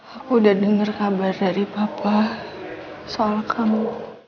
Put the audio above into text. aku udah dengar kabar dari papa soal kamu